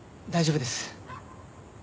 大丈夫です。